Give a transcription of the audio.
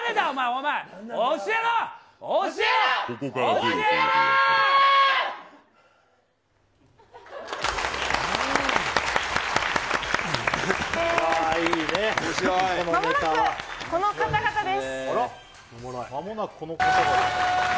まもなく、この方々です。